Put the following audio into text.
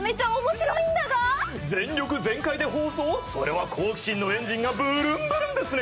それは好奇心のエンジンがブルンブルンですね。